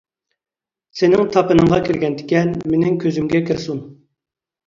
سېنىڭ تاپىنىڭغا كىرگەن تىكەن، مىنىڭ كۆزۈمگە كىرسۇن.